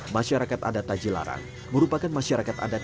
masyarakat adat tajilarang merupakan masyarakat adat